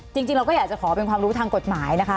จริงเราก็อยากจะขอเป็นความรู้ทางกฎหมายนะคะ